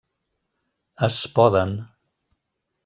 Es poden.